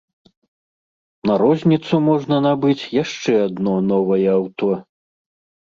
На розніцу можна набыць яшчэ адно новае аўто!